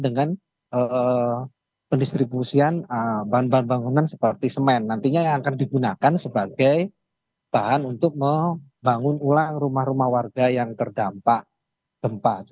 dengan pendistribusian bahan bahan bangunan seperti semen nantinya yang akan digunakan sebagai bahan untuk membangun ulang rumah rumah warga yang terdampak gempa